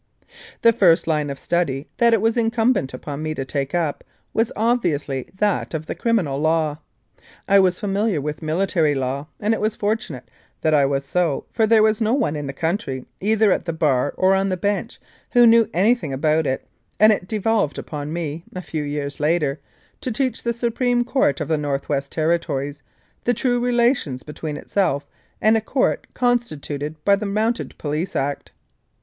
The first line of study that it was incumbent upon me to take up was obviously that of the Criminal Law. I was familiar with Military Law, and it was fortunate that I was so, for there was no one in the country, either at the bar or on the bench, who knew anything about it, and it devolved upon me, a few years later, to teach the Supreme Court of the North West Terri tories the true relations between itself and a court con stituted by the Mounted Police Act.